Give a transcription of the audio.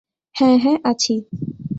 হ্যাঁ, হ্যাঁ, আছি।